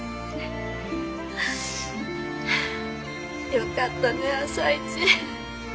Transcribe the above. よかったね朝市。